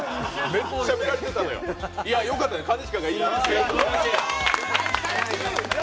めっちゃ見られてたのよ、よかったよ、兼近が。